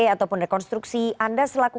ataupun rekonstruksi anda selaku